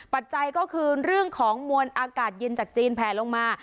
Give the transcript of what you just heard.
ปัจจัยก็คือเรื่องของมวลอากาศเย็นจากจีนแผลลงมา